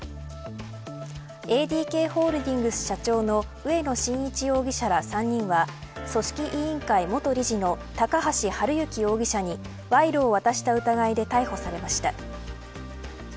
ＡＤＫホールディングス社長の植野伸一容疑者ら３人は組織委員会元理事の高橋治之容疑者に賄賂を渡した疑いで逮捕されました。